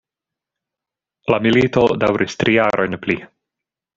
La milito daŭris tri jarojn pli.